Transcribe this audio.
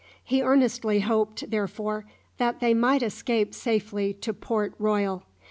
He earnestly hoped, therefore, that they might escape safely to Port Royal.